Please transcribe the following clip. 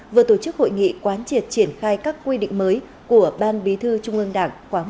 vừa tổ chức hội nghị quán triệt triển khai các quy định mới của ban bí thư trung ương đảng khóa một mươi ba